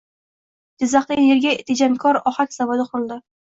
Jizzaxda energiya tejamkor ohak zavodi qurildi